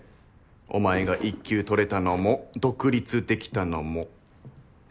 お前が一級取れたのも独立できたのも。